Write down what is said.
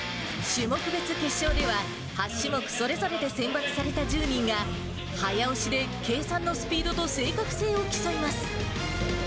種目別決勝では、８種目それぞれで選抜された１０人が、早押しで計算のスピードと正確性を競います。